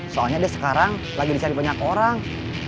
soalnya dia sekarang lagi di cari banyak orang